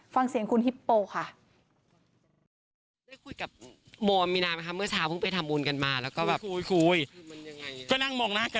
ฟังเสียงคุณฮิปโปค่ะ